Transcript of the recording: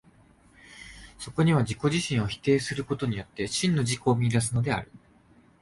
そこには自己自身を否定することによって、真の自己を見出すのである。